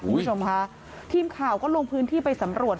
คุณผู้ชมค่ะทีมข่าวก็ลงพื้นที่ไปสำรวจ